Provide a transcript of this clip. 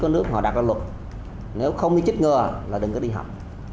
nếu không đi chích ngừa là đừng có đi học